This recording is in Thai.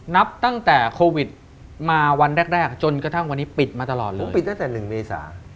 นับตั้งแต่โควิดมาวันแรกแรกจนกระทั่งวันนี้ปิดมาตลอดเลยปิดตั้งแต่๑เมษา